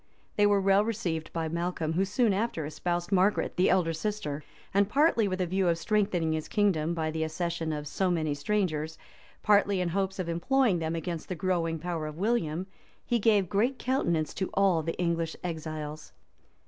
They were well received by Malcolm, who soon after espoused Margaret, the elder sister; and partly with a view of strengthening his kingdom by the accession of so many strangers, partly in hopes of employing them against the growing power of William, he gave great countenance to all the English exiles.